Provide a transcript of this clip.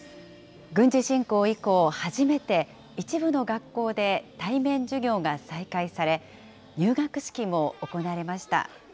軍事侵攻以降、初めて一部の学校で対面授業が再開され、入学式も行われました。